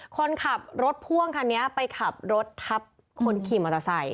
คนขับรถพ่วงคันนี้ไปขับรถทับคนขี่มอเตอร์ไซค